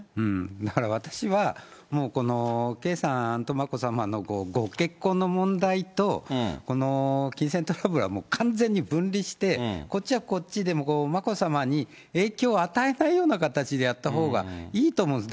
だから私は、もうこの圭さんと眞子さまのご結婚の問題と、この金銭トラブルは、もう完全に分離して、こっちはこっちで、眞子さまに影響を与えないような形でやったほうがいいと思うんです。